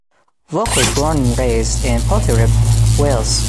Volk was born and raised in Pontypridd, Wales.